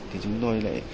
thì chúng tôi lại